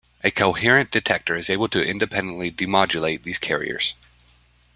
A coherent detector is able to independently demodulate these carriers.